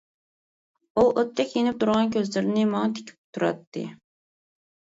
ئۇ ئوتتەك يېنىپ تۇرغان كۆزلىرىنى ماڭا تىكىپ تۇراتتى.